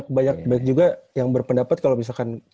nah banyak juga yang berpendapat kalau misalkan